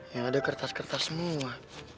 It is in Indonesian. yang ada kertas kertas semua